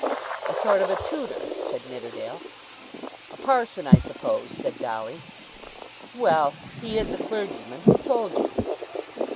"A sort of a tutor," said Nidderdale. "A parson, I suppose," said Dolly. "Well; he is a clergyman. Who told you?"